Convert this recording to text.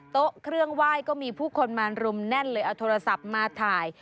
โต๊ะเครื่องไหว้ก็มีผู้คนมารุมแน่นเลยเอาโทรศัพท์มาถ่าย